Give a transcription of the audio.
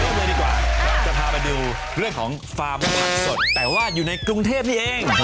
เลยดีกว่าเราจะพาไปดูเรื่องของฟาร์มสดแต่ว่าอยู่ในกรุงเทพนี่เอง